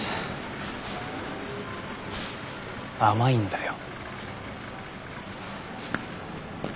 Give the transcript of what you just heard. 甘いんだよ。